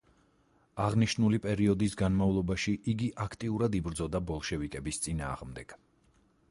აღნიშნული პერიოდის განმავლობაში იგი აქტიურად იბრძოდა ბოლშევიკების წინააღმდეგ.